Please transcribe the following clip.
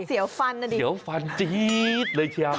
เสียวฟันน่ะดิเสียวฟันจี๊ดเลยค่ะ